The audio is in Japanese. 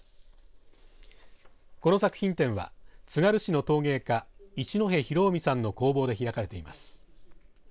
この作品展はつがる市の陶芸家一戸広臣さんの工房で開かれています。